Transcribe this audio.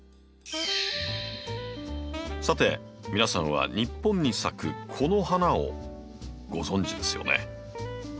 さて皆さんは日本に咲くこの花をご存じですよね。